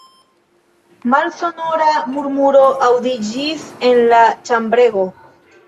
Malsonora murmuro aŭdiĝis en la ĉambrego.